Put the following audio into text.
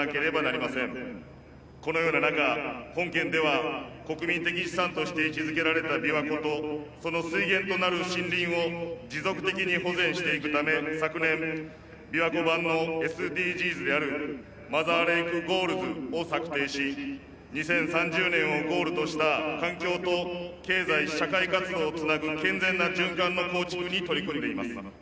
このような中本県では国民的資産として位置づけられた琵琶湖とその水源となる森林を持続的に保全していくため昨年琵琶湖版のＳＤＧｓであるマザーレイクゴールズを策定し２０３０年をゴールとした環境と経済社会活動をつなぐ健全な循環の構築に取り組んでいます。